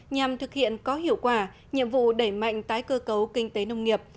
nhằm thực hiện có hiệu quả nhiệm vụ đẩy mạnh tái cơ cấu kinh tế nông nghiệp